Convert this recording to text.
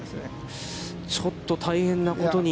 ちょっと大変なことに。